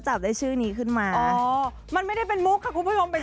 จับได้ชื่อนี้ขึ้นมาอ๋อมันไม่ได้เป็นมุกค่ะคุณผู้ชม